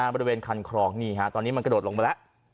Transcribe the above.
บริเวณคันครองนี่ฮะตอนนี้มันกระโดดลงมาแล้ว